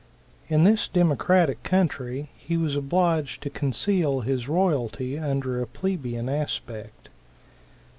In this democratic country he was obliged to conceal his royalty under a plebeian aspect.